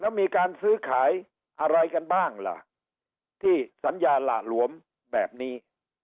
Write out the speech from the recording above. แล้วมีการซื้อขายอะไรกันบ้างล่ะที่สัญญาหละหลวมแบบนี้